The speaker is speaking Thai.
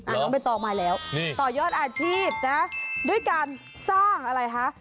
น้องใบตองมาแล้วนี่ต่อยอดอาชีพนะด้วยการสร้างอะไรคะ